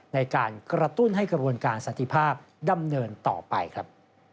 ในการกระตุ้นให้กระบวนการสันติภาพดำเนินต่อไปครับ